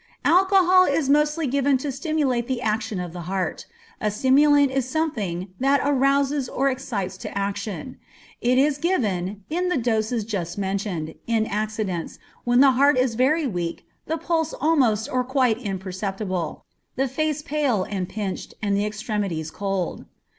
Alcohol is mostly given to stimulate the action of the heart. A stimulant is something "that arouses or excites to action." It is given (in the doses just mentioned) in accidents, when the heart is very weak, the pulse almost or quite imperceptible, the face pale and pinched, and the extremities cold.